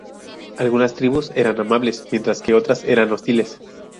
Algunas tribus eran amables, mientras que otras eran hostiles.